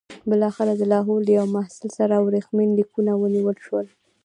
بالاخره د لاهور له یوه محصل سره ورېښمین لیکونه ونیول شول.